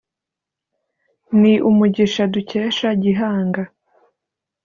Ni umugisha dukesha gihanga